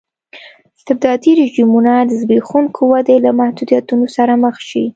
استبدادي رژیمونه د زبېښونکې ودې له محدودیتونو سره مخ شي.